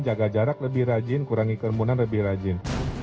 jaga jarak lebih rajin kurangi kerumunan lebih rajin